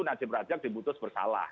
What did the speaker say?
najib rajak dibutuhkan bersalah